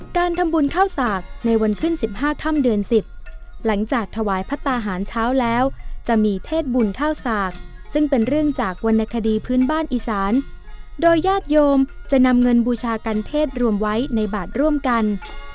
การทำบุญข้าวสากในวันขึ้น๑๕ค่ำเดือน๑๐หลังจากถวายพระตาหารเช้าแล้วจะมีเทศบุญข้าวสากซึ่งเป็นเรื่องจากวรรณคดีพื้นบ้านอีสานโดยญาติโยมจะนำเงินบูชากันเทศรวมไว้ในบาทร่วมกัน